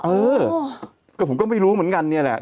เออก็ผมก็ไม่รู้เหมือนกันเนี่ยแหละ